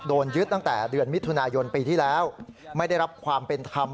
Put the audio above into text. โดนยึดตั้งแต่เดือนมิถุนายนปีที่แล้วไม่ได้รับความเป็นธรรม